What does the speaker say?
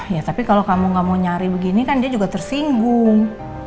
ya tapi kalau kamu gak mau nyari begini kan dia juga tersinggung